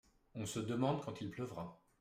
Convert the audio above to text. On se demande quand il pleuvra.